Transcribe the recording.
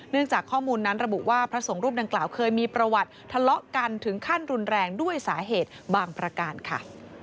จากข้อมูลนั้นระบุว่าพระสงฆ์รูปดังกล่าวเคยมีประวัติทะเลาะกันถึงขั้นรุนแรงด้วยสาเหตุบางประการค่ะ